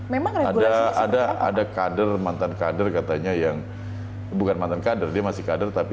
memang ada ada ada kader mantan kader katanya yang bukan mantan kader dia masih kader tapi